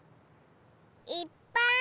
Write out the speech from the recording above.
いっぱい！